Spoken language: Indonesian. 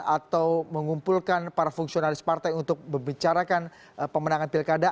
atau mengumpulkan para fungsionalis partai untuk membicarakan pemenangan pilkada